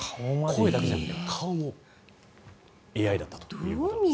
声だけじゃなくて顔もＡＩだったということですね。